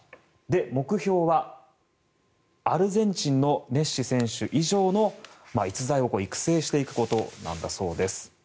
目標はアルゼンチンのメッシ選手以上の逸材を育成していくことなんだそうです。